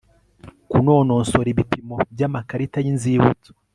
Kunonosora ibipimo by amakarita y Inzibutso